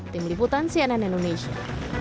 tim liputan cnn indonesia